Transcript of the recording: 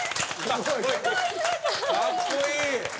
かっこいい！